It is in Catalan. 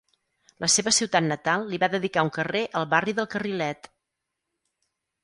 La seva ciutat natal li va dedicar un carrer al barri del Carrilet.